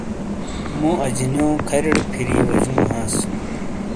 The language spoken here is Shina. مُوسے اجانیو کھَریرے پھِیری واجوں ہانس۔